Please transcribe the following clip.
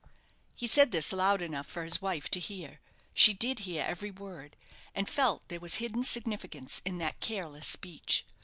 He said this loud enough for his wife to hear. She did hear every word, and felt there was hidden significance in that careless speech.